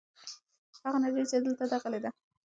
هغه نجلۍ چې دلته ده غلې ده.